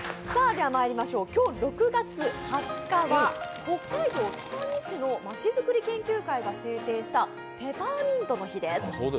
今日６月２０日は北海道北見市のまちづくり研究会が制定したペパーミントの日です。